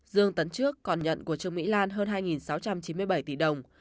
dương tấn trước còn nhận của trương mỹ lan hơn hai sáu trăm chín mươi bảy tỷ đồng